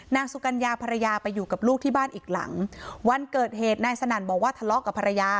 นางสุกัญญาภรรยาไปอยู่กับลูกที่บ้านอีกหลังวันเกิดเหตุนายสนั่นบอกว่าทะเลาะกับภรรยา